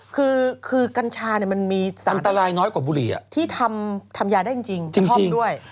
คือกัญชาเนี่ยมันมีสารที่ทำยาได้จริงแต่พร่อมด้วย